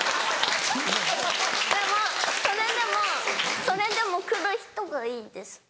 でもそれでもそれでも来る人がいいです。